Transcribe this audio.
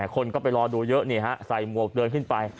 คนก็ไปรอดูเยอะนี่ฮะใส่หมวกเดินขึ้นไป